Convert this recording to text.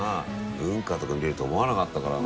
文化とか見れると思わなかったからな。